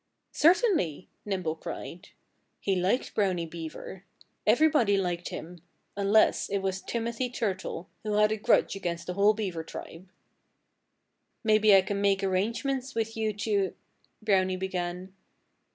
"Certainly!" Nimble cried. He liked Brownie Beaver. Everybody liked him unless it was Timothy Turtle, who had a grudge against the whole Beaver tribe. "Maybe I can make arrangements with you to " Brownie began.